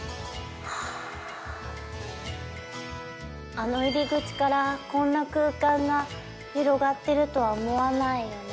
あの入り口からこんな空間が広がってるとは思わないよね。